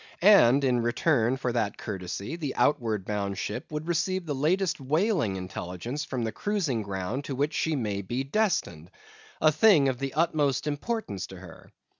And in return for that courtesy, the outward bound ship would receive the latest whaling intelligence from the cruising ground to which she may be destined, a thing of the utmost importance to her.